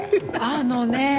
あのねえ。